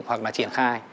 hoặc là triển khai